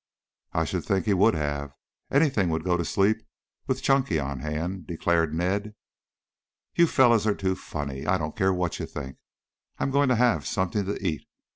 "I should think he would have. Anything would go to sleep with Chunky on hand," declared Ned. "You fellows are too funny! I don't care what you think. I'm going to have something to eat.